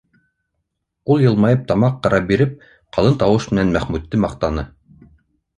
Ул йылмайып тамаҡ ҡыра биреп, ҡалын тауыш менән Мәхмүтте маҡтаны.